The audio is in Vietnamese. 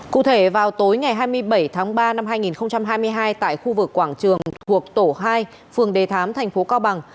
cụ thể vào tối ngày hai mươi bảy tháng ba năm hai nghìn hai mươi hai tại khu vực quảng trường thuộc tổ hai phường đề thám thành phố cao bằng